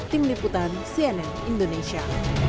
tim liputan cnn indonesia